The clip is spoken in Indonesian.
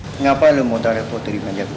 kenapa lo mau tarik putri ke manja gue